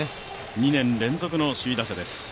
２年連続の首位打者です。